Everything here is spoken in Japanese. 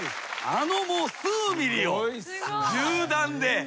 あのもう数ｍｍを銃弾で。